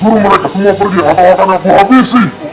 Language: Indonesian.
suruh mereka semua pergi atau akan aku habisi